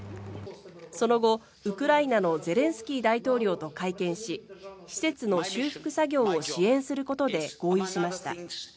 その後、ウクライナのゼレンスキー大統領と会見し施設の修復作業を支援することで合意しました。